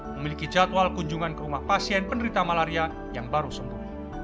memiliki jadwal kunjungan ke rumah pasien penderita malaria yang baru sembuh